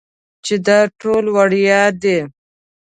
چې دا ټول وړيا دي.